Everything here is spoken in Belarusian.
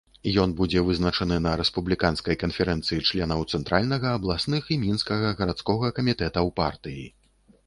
Ён будзе вызначаны на рэспубліканскай канферэнцыі членаў цэнтральнага, абласных і мінскага гарадскога камітэтаў партыі.